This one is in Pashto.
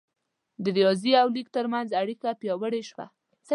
د ریاضي او لیک ترمنځ اړیکه پیاوړې شوه.